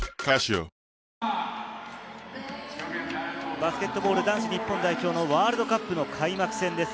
バスケットボール男子日本代表のワールドカップの開幕戦です。